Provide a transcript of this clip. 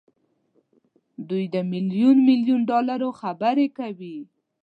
دوی د ميليون ميليون ډالرو خبرې کوي.